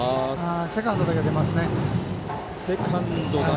セカンドだけ出てますね。